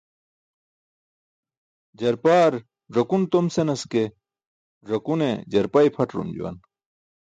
Jarpaar ẓakun tom senas ke, ẓakune jarpa i̇pʰaṭarum juwan.